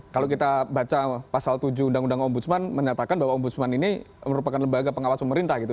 kalau kita baca pasal tujuh undang undang ombudsman menyatakan bahwa ombudsman ini merupakan lembaga pengawas pemerintah gitu